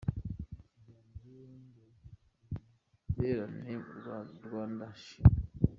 Mu kiganiro nyunguranabitekerezo ku giterane Rwanda, Shima Imana !